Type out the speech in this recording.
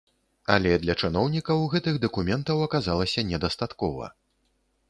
Але для чыноўнікаў гэтых дакументаў аказалася не дастаткова.